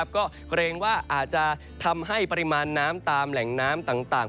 ก็เกรงว่าอาจจะทำให้ปริมาณน้ำตามแหล่งน้ำต่าง